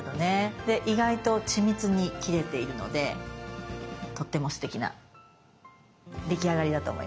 で意外と緻密に切れているのでとってもすてきな出来上がりだと思います。